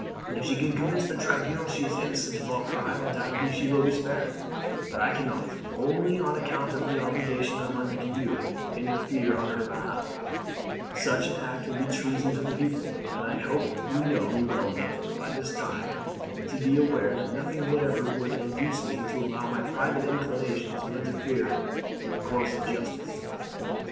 If she can convince the tribunal that she is innocent of all crime, undoubtedly she will be spared; but I cannot, only on account of the obligation I am under to you, interfere on her behalf; such an act would be treason to the people, and I hope you know me well enough by this time to be aware that nothing whatever would induce me to allow my private inclinations to interfere with the course of justice.